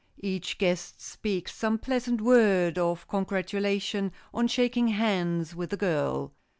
Each guest speaks some pleasant word of congratulation on shaking hands with the girl.